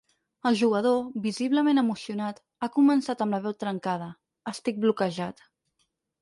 El jugador, visiblement emocionat, ha començat amb la veu trencada: Estic bloquejat.